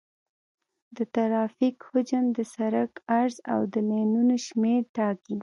د ترافیک حجم د سرک عرض او د لینونو شمېر ټاکي